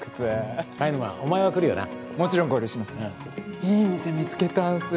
いい店見つけたんすよ。